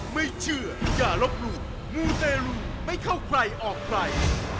ไม่เชื่ออย่าลบหลู่มูเตรลูไม่เข้าใครออกใคร